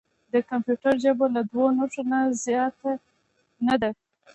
د کمپیوټر ژبه له دوه نښو نه زیاته نه ده.